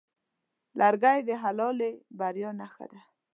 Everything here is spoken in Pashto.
لرګی د حلالې بریاوې نښه ده.